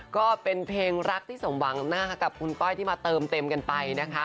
ก็เพียงรักที่สมหวังน่ากับคุณก้อยที่มาเติมเต็มกันไป